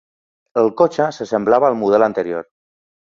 El cotxe s'assemblava al model anterior.